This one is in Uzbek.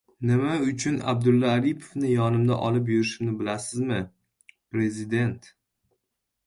«Nima uchun Abdulla Aripovni yonimda olib yurishimni bilasizmi?» — Prezident